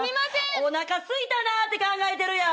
おなかすいたなって考えてるやん。